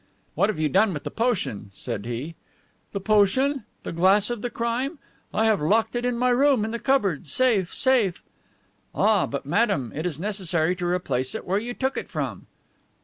"What have you done with the potion?" said he. "The potion? The glass of the crime! I have locked it in my room, in the cupboard safe, safe!" "Ah, but, madame, it is necessary to replace it where you took it from."